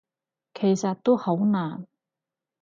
其實都好難